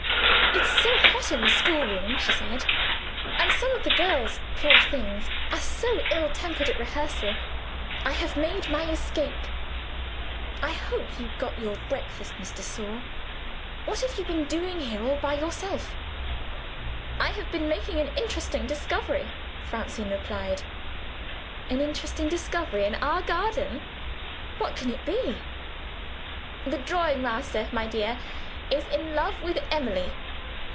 "It's so hot in the schoolroom," she said, "and some of the girls, poor things, are so ill tempered at rehearsal I have made my escape. I hope you got your breakfast, Miss de Sor. What have you been doing here, all by yourself?" "I have been making an interesting discovery," Francine replied. "An interesting discovery in our garden? What can it be?" "The drawing master, my dear, is in love with Emily.